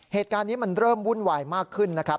เหตุการณ์นี้มันเริ่มวุ่นวายมากขึ้นนะครับ